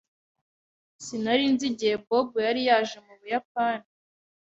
Sinari nzi igihe Bob yari yaje mu Buyapani.